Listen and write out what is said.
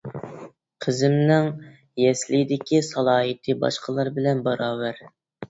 قىزىمنىڭ يەسلىدىكى سالاھىيىتى باشقىلار بىلەن باراۋەر.